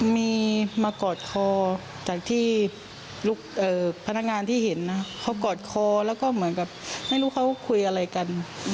มีมากอดคอจากที่พนักงานที่เห็นนะเขากอดคอแล้วก็เหมือนกับไม่รู้เขาคุยอะไรกัน